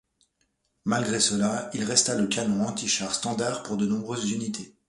Malgré cela, il resta le canon antichar standard pour de nombreuses unités.